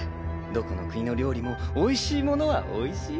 どこの国の料理もおいしいものはおいしい。